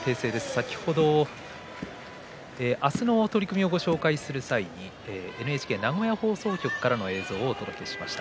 先ほど、明日の取組を紹介する際にＮＨＫ名古屋放送局の映像をお届けしました。